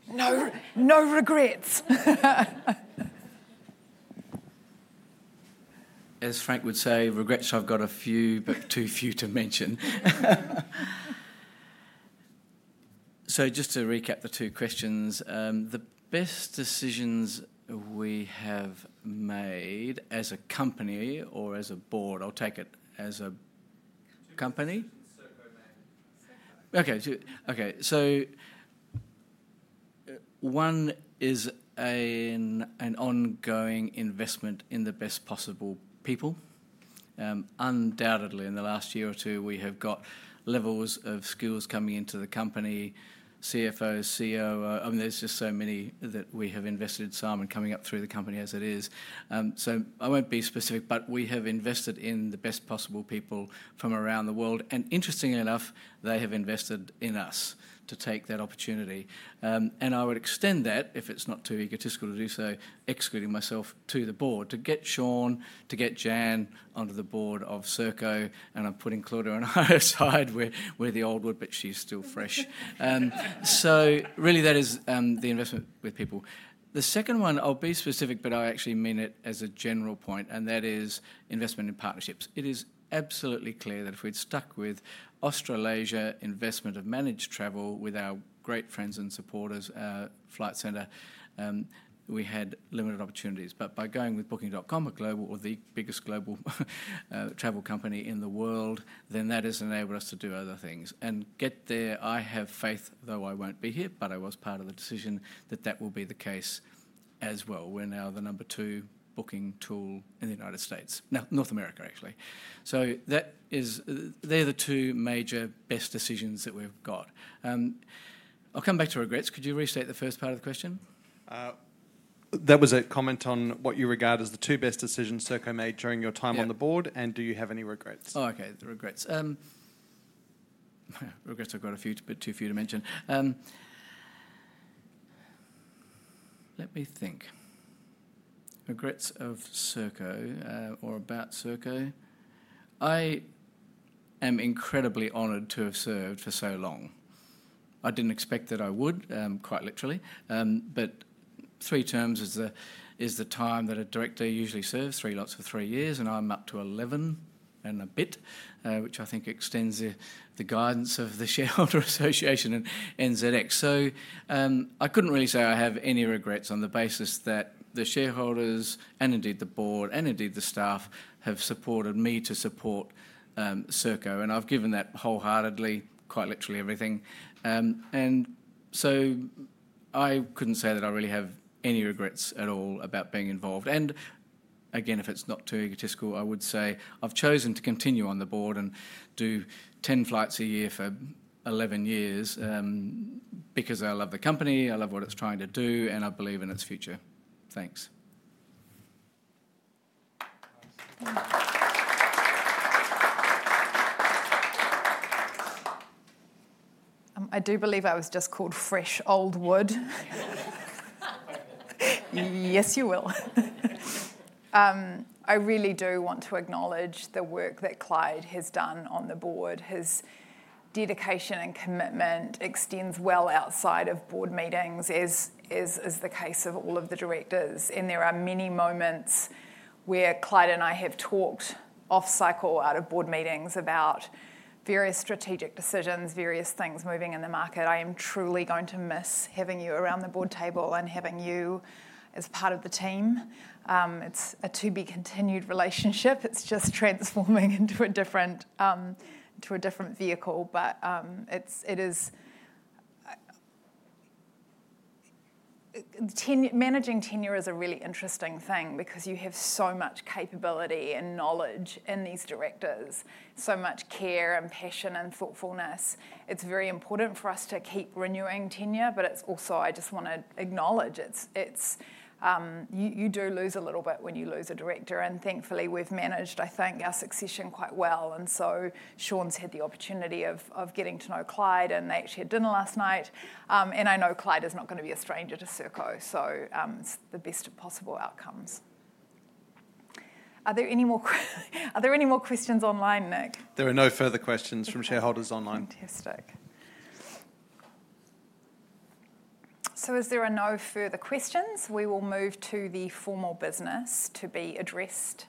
A: No regrets.
G: As Frank would say, regrets, I've got a few, but too few to mention. Just to recap the two questions, the best decisions we have made as a company or as a board, I'll take it as a company. Okay. Okay. One is an ongoing investment in the best possible people. Undoubtedly, in the last year or two, we have got levels of skills coming into the company, CFOs, COOs. I mean, there's just so many that we have invested in, Simon, coming up through the company as it is. I won't be specific, but we have invested in the best possible people from around the world. Interestingly enough, they have invested in us to take that opportunity. I would extend that, if it's not too egotistical to do so, excluding myself, to the board to get Sean, to get Jan onto the board of Serko. I'm putting Claudia on our side. We're the old wood, but she's still fresh. That is the investment with people. The second one, I'll be specific, but I actually mean it as a general point, and that is investment in partnerships. It is absolutely clear that if we'd stuck with Australasia investment of managed travel with our great friends and supporters, our Flight Centre, we had limited opportunities. By going with Booking.com, the biggest global travel company in the world, that has enabled us to do other things. GetThere, I have faith, though I will not be here, but I was part of the decision that that will be the case as well. We are now the number two booking tool in the United States. No, North America, actually. They are the two major best decisions that we have got. I will come back to regrets. Could you restate the first part of the question?
F: That was a comment on what you regard as the two best decisions Serko made during your time on the board, and do you have any regrets?
G: Oh, okay. The regrets. Regrets, I have got a few, but too few to mention. Let me think. Regrets of Serko or about Serko. I am incredibly honored to have served for so long. I didn't expect that I would, quite literally. Three terms is the time that a director usually serves, three lots of three years, and I'm up to 11 and a bit, which I think extends the guidance of the Shareholder Association and NZX. I couldn't really say I have any regrets on the basis that the shareholders and indeed the board and indeed the staff have supported me to support Serko. I've given that wholeheartedly, quite literally everything. I couldn't say that I really have any regrets at all about being involved. Again, if it's not too egotistical, I would say I've chosen to continue on the board and do 10 flights a year for 11 years because I love the company, I love what it's trying to do, and I believe in its future. Thanks.
A: I do believe I was just called fresh old wood. Yes, you will. I really do want to acknowledge the work that Clyde has done on the board. His dedication and commitment extends well outside of board meetings, as is the case of all of the directors. There are many moments where Clyde and I have talked off cycle, out of board meetings about various strategic decisions, various things moving in the market. I am truly going to miss having you around the board table and having you as part of the team. It is a to-be-continued relationship. It is just transforming into a different vehicle. Managing tenure is a really interesting thing because you have so much capability and knowledge in these directors, so much care and passion and thoughtfulness. It's very important for us to keep renewing tenure, but it's also, I just want to acknowledge, you do lose a little bit when you lose a director. Thankfully, we've managed, I think, our succession quite well. Sean's had the opportunity of getting to know Clyde, and they actually had dinner last night. I know Clyde is not going to be a stranger to Serko. It's the best possible outcomes. Are there any more questions online, Nick?
F: There are no further questions from shareholders online. Fantastic.
A: As there are no further questions, we will move to the formal business to be addressed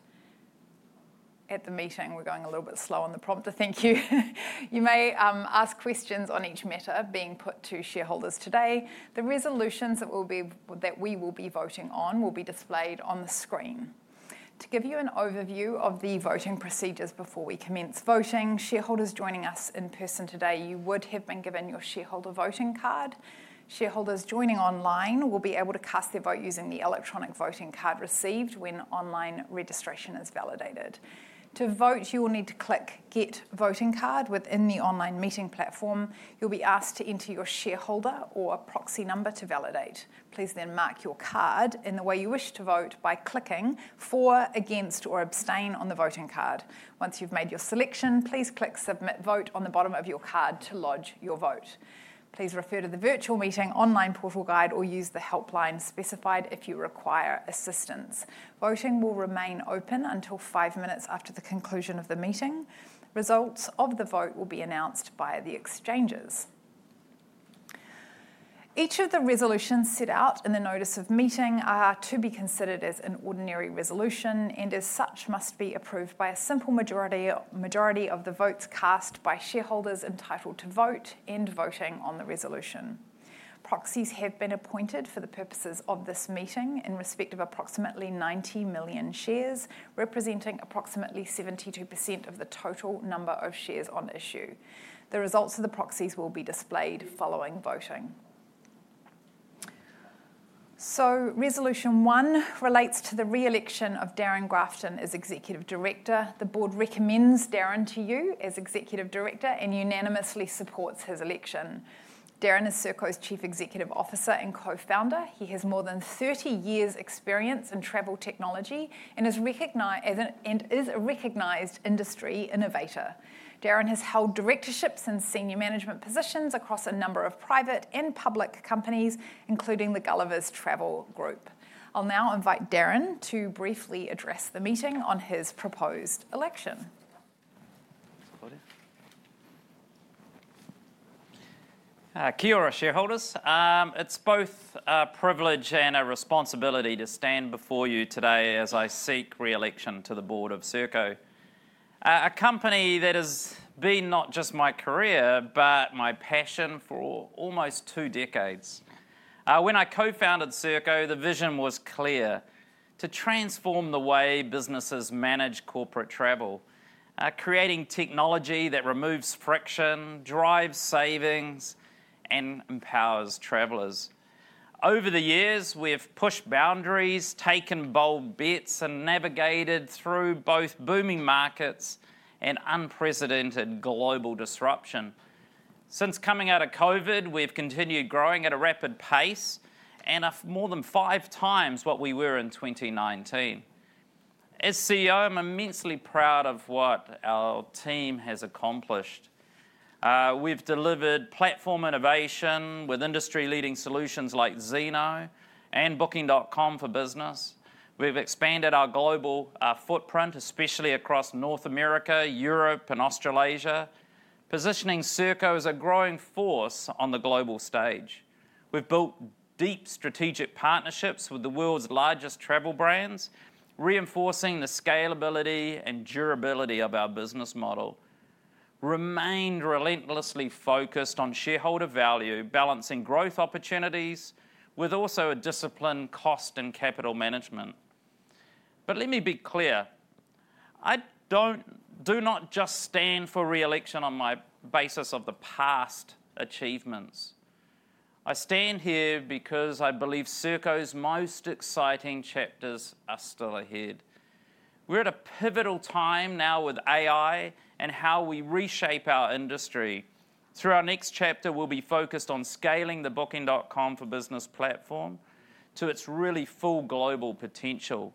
A: at the meeting. We're going a little bit slow on the prompter. Thank you. You may ask questions on each matter being put to shareholders today. The resolutions that we will be voting on will be displayed on the screen. To give you an overview of the voting procedures before we commence voting, shareholders joining us in person today, you would have been given your shareholder voting card. Shareholders joining online will be able to cast their vote using the electronic voting card received when online registration is validated. To vote, you will need to click Get Voting Card within the online meeting platform. You'll be asked to enter your shareholder or proxy number to validate. Please then mark your card in the way you wish to vote by clicking For, Against, or Abstain on the voting card. Once you've made your selection, please click Submit Vote on the bottom of your card to lodge your vote. Please refer to the virtual meeting online portal guide or use the helpline specified if you require assistance. Voting will remain open until five minutes after the conclusion of the meeting. Results of the vote will be announced by the exchangers. Each of the resolutions set out in the notice of meeting are to be considered as an ordinary resolution, and as such, must be approved by a simple majority of the votes cast by shareholders entitled to vote and voting on the resolution. Proxies have been appointed for the purposes of this meeting in respect of approximately 90 million shares, representing approximately 72% of the total number of shares on issue. The results of the proxies will be displayed following voting. Resolution One relates to the re-election of Darrin Grafton as Executive Director. The board recommends Darrin to you as Executive Director and unanimously supports his election. Darrin is Serko's Chief Executive Officer and co-founder. He has more than 30 years' experience in travel technology and is a recognized industry innovator. Darrin has held directorships in senior management positions across a number of private and public companies, including the Gulliver's Travel Group. I'll now invite Darrin to briefly address the meeting on his proposed election.
B: Key or shareholders, it's both a privilege and a responsibility to stand before you today as I seek re-election to the board of Serko, a company that has been not just my career, but my passion for almost two decades. When I co-founded Serko, the vision was clear: to transform the way businesses manage corporate travel, creating technology that removes friction, drives savings, and empowers travelers. Over the years, we have pushed boundaries, taken bold bets, and navigated through both booming markets and unprecedented global disruption. Since coming out of COVID, we have continued growing at a rapid pace and more than five times what we were in 2019. As CEO, I'm immensely proud of what our team has accomplished. We've delivered platform innovation with industry-leading solutions like Zeno and Booking.com for Business. We've expanded our global footprint, especially across North America, Europe, and Australasia, positioning Serko as a growing force on the global stage. We've built deep strategic partnerships with the world's largest travel brands, reinforcing the scalability and durability of our business model. We remain relentlessly focused on shareholder value, balancing growth opportunities with also a disciplined cost and capital management. Let me be clear. I do not just stand for re-election on my basis of the past achievements. I stand here because I believe Serko's most exciting chapters are still ahead. We're at a pivotal time now with AI and how we reshape our industry. Through our next chapter, we'll be focused on scaling the Booking.com for Business platform to its really full global potential,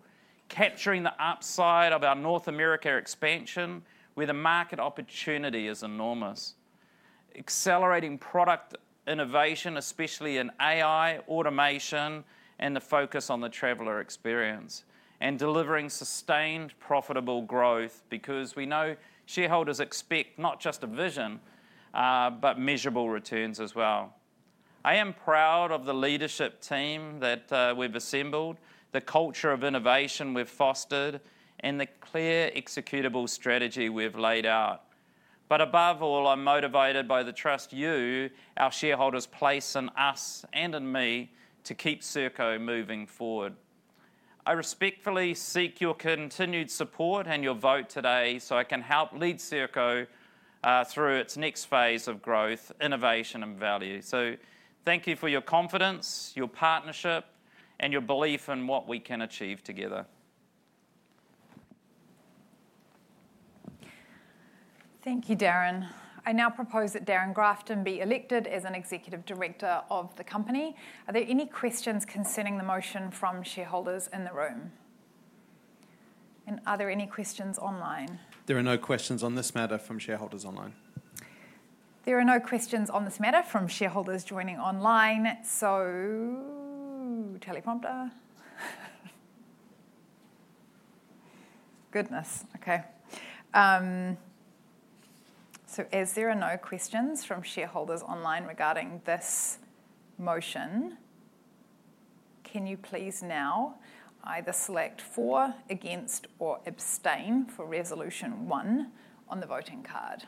B: capturing the upside of our North America expansion where the market opportunity is enormous, accelerating product innovation, especially in AI, automation, and the focus on the traveller experience, and delivering sustained profitable growth because we know shareholders expect not just a vision, but measurable returns as well. I am proud of the leadership team that we've assembled, the culture of innovation we've fostered, and the clear executable strategy we've laid out. Above all, I'm motivated by the trust you, our shareholders, place in us and in me to keep Serko moving forward. I respectfully seek your continued support and your vote today so I can help lead Serko through its next phase of growth, innovation, and value. Thank you for your confidence, your partnership, and your belief in what we can achieve together.
A: Thank you, Darrin. I now propose that Darrin Grafton be elected as an executive director of the company. Are there any questions concerning the motion from shareholders in the room? Are there any questions online?
F: There are no questions on this matter from shareholders online.
A: There are no questions on this matter from shareholders joining online. Teleprompter. Goodness. Okay. As there are no questions from shareholders online regarding this motion, can you please now either select For, Against, or Abstain for Resolution One on the voting card?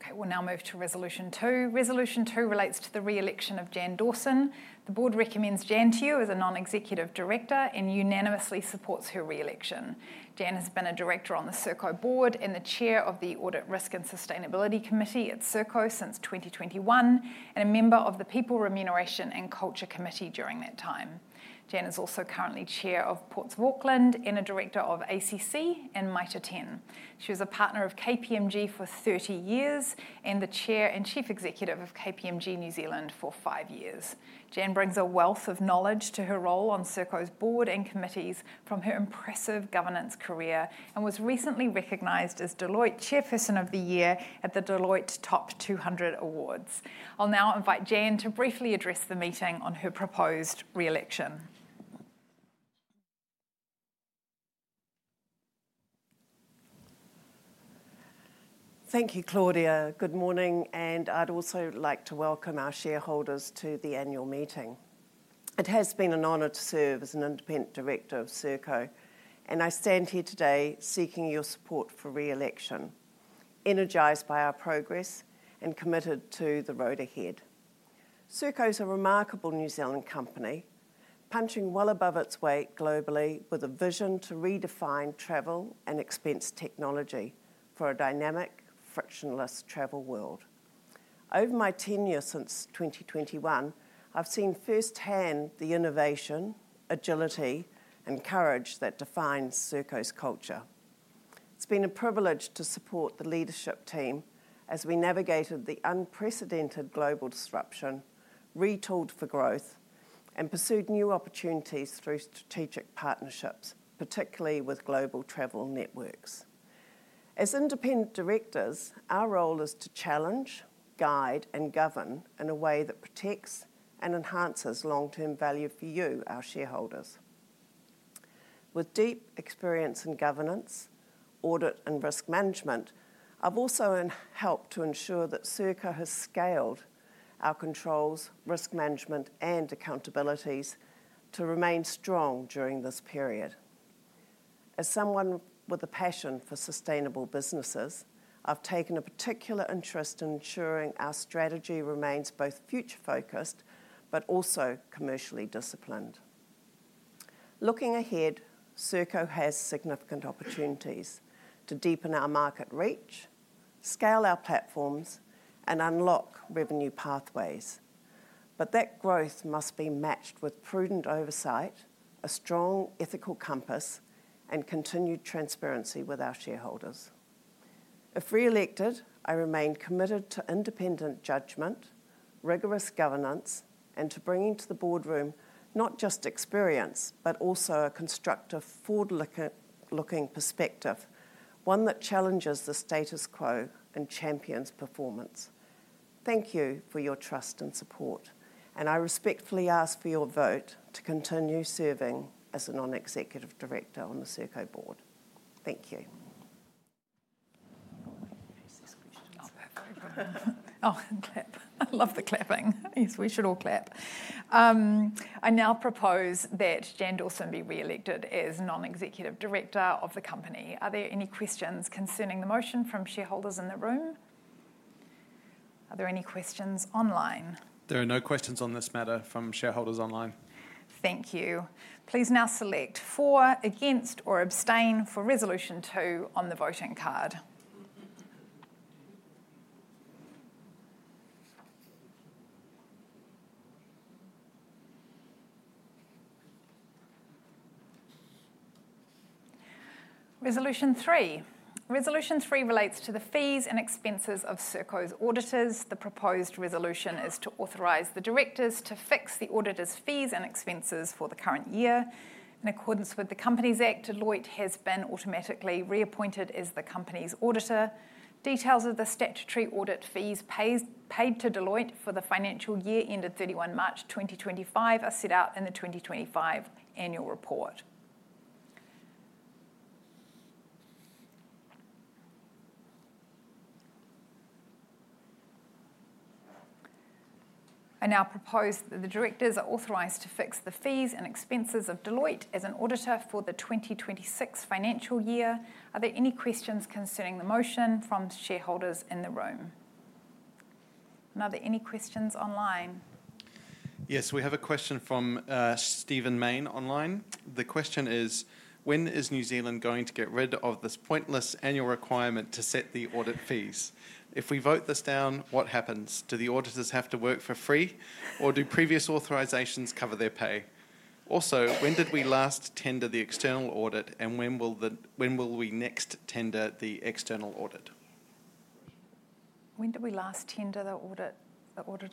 A: Okay. We will now move to Resolution Two. Resolution Two relates to the re-election of Jan Dawson. The board recommends Jan to you as a non-executive director and unanimously supports her re-election. Jan has been a director on the Serko board and the chair of the Audit, Risk and Sustainability Committee at Serko since 2021 and a member of the People, Remuneration and Culture Committee during that time. Jan is also currently chair of Ports of Auckland and a director of ACC and Mitre 10. She was a partner of KPMG for 30 years and the chair and chief executive of KPMG New Zealand for five years. Jan brings a wealth of knowledge to her role on Serko's board and committees from her impressive governance career and was recently recognised as Deloitte Chairperson of the Year at the Deloitte Top 200 Awards. I'll now invite Jan to briefly address the meeting on her proposed re-election.
H: Thank you, Claudia. Good morning. And I'd also like to welcome our shareholders to the annual meeting. It has been an honor to serve as an independent director of Serko, and I stand here today seeking your support for re-election, energized by our progress and committed to the road ahead. Serko is a remarkable New Zealand company, punching well above its weight globally with a vision to redefine travel and expense technology for a dynamic, frictionless travel world. Over my tenure since 2021, I've seen firsthand the innovation, agility, and courage that defines Serko's culture. It's been a privilege to support the leadership team as we navigated the unprecedented global disruption, retooled for growth, and pursued new opportunities through strategic partnerships, particularly with global travel networks. As independent directors, our role is to challenge, guide, and govern in a way that protects and enhances long-term value for you, our shareholders. With deep experience in governance, audit, and risk management, I've also helped to ensure that Serko has scaled our controls, risk management, and accountabilities to remain strong during this period. As someone with a passion for sustainable businesses, I've taken a particular interest in ensuring our strategy remains both future-focused but also commercially disciplined. Looking ahead, Serko has significant opportunities to deepen our market reach, scale our platforms, and unlock revenue pathways. That growth must be matched with prudent oversight, a strong ethical compass, and continued transparency with our shareholders. If re-elected, I remain committed to independent judgment, rigorous governance, and to bringing to the boardroom not just experience, but also a constructive, forward-looking perspective, one that challenges the status quo and champions performance. Thank you for your trust and support, and I respectfully ask for your vote to continue serving as a non-executive director on the Serko board.
A: Thank you. Oh, I love the clapping. Yes, we should all clap. I now propose that Jan Dawson be re-elected as non-executive director of the company. Are there any questions concerning the motion from shareholders in the room? Are there any questions online?
F: There are no questions on this matter from shareholders online.
A: Thank you. Please now select For, Against, or Abstain for Resolution Two on the voting card. Resolution Three. Resolution Three relates to the fees and expenses of Serko's auditors. The proposed resolution is to authorise the directors to fix the auditors' fees and expenses for the current year. In accordance with the Companies Act, Deloitte has been automatically reappointed as the company's auditor. Details of the statutory audit fees paid to Deloitte for the financial year ended 31 March 2025 are set out in the 2025 annual report. I now propose that the directors are authorized to fix the fees and expenses of Deloitte as an auditor for the 2026 financial year. Are there any questions concerning the motion from shareholders in the room? Are there any questions online?
F: Yes, we have a question from Stephen Mayne online. The question is, when is New Zealand going to get rid of this pointless annual requirement to set the audit fees? If we vote this down, what happens? Do the auditors have to work for free, or do previous authorizations cover their pay? Also, when did we last tender the external audit, and when will we next tender the external audit?
A: When did we last tender the auditor? I think it was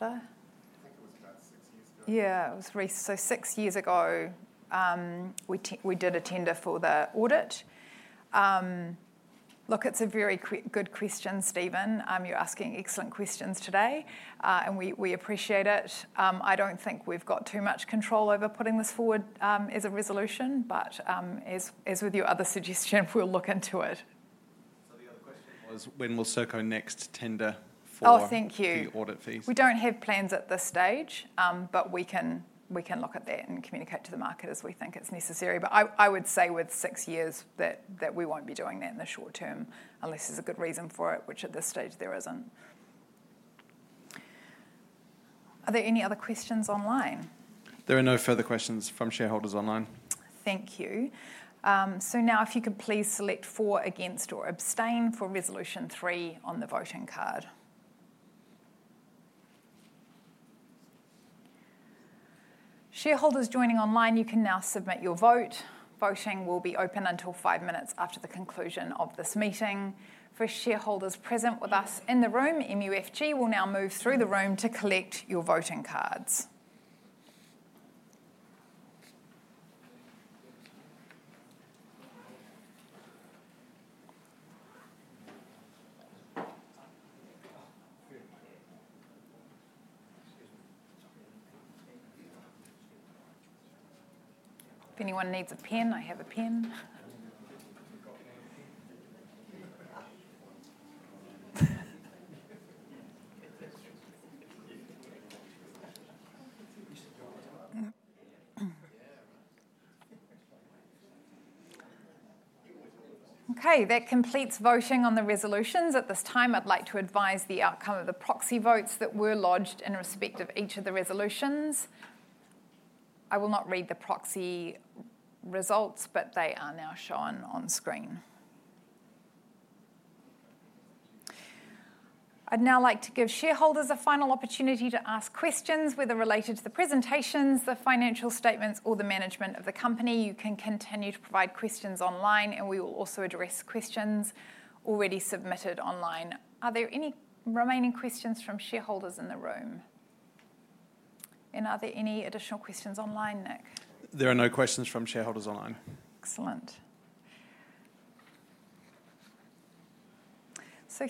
A: about six years ago. Yeah, it was recent. So, six years ago, we did a tender for the audit. Look, it's a very good question, Stephen. You're asking excellent questions today, and we appreciate it. I don't think we've got too much control over putting this forward as a resolution, but as with your other suggestion, we'll look into it.
F: The other question was, when will Serko next tender for the audit fees?
A: Oh, thank you. We don't have plans at this stage, but we can look at that and communicate to the market as we think it's necessary. I would say with six years that we won't be doing that in the short term unless there's a good reason for it, which at this stage there isn't. Are there any other questions online?
F: There are no further questions from shareholders online.
A: Thank you. Now, if you could please select For, Against, or Abstain for Resolution Three on the voting card. Shareholders joining online, you can now submit your vote. Voting will be open until five minutes after the conclusion of this meeting. For shareholders present with us in the room, MUFG will now move through the room to collect your voting cards. If anyone needs a pen, I have a pen. Okay, that completes voting on the resolutions. At this time, I'd like to advise the outcome of the proxy votes that were lodged in respect of each of the resolutions. I will not read the proxy results, but they are now shown on screen. I'd now like to give shareholders a final opportunity to ask questions whether related to the presentations, the financial statements, or the management of the company. You can continue to provide questions online, and we will also address questions already submitted online. Are there any remaining questions from shareholders in the room? Are there any additional questions online, Nick?
F: There are no questions from shareholders online.
A: Excellent.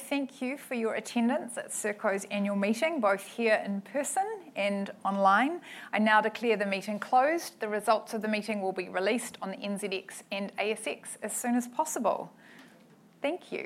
A: Thank you for your attendance at Serko's annual meeting, both here in person and online. I now declare the meeting closed. The results of the meeting will be released on the NZX and ASX as soon as possible. Thank you.